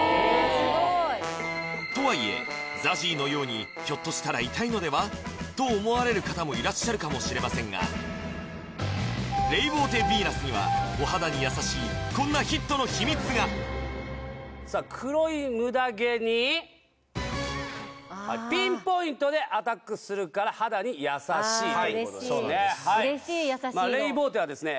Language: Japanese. すごいとはいえＺＡＺＹのようにと思われる方もいらっしゃるかもしれませんがレイボーテヴィーナスにはお肌に優しいこんなヒットの秘密がピンポイントでアタックするから肌に優しいということですねああ嬉しい嬉しい優しいのまあレイボーテはですね